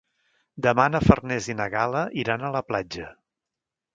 Demà na Farners i na Gal·la iran a la platja.